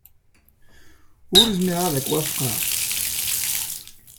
Ur zmireɣ ad k-wafqeɣ.